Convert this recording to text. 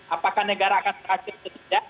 apakah negara akan berakhir atau tidak